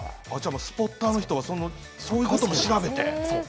スポッターの人はそういうことも調べて。